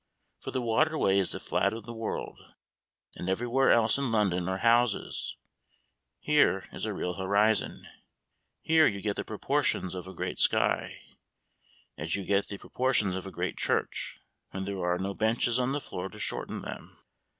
For the waterway is the flat of the world, and everywhere else in London are houses; here is a real horizon. Here you get the proportions of a great sky, as you get the proportions of a great church when there are no benches on the floor to shorten them.